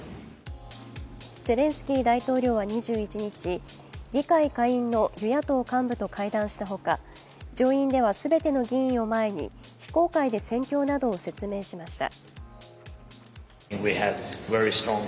ゼレンスキー大統領は２１日議会下院の与野党幹部と会談したほか上院では全ての議員を前に非公開で戦況などを説明しました。